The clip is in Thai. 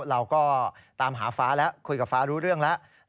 เราก็ตามหาฟ้าแล้วคุยกับฟ้ารู้เรื่องแล้ว